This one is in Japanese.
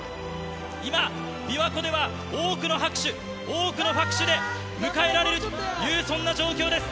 今、びわ湖では多くの拍手、多くの拍手で迎えられるという、そんな状況です。